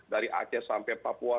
dari aceh sampai papua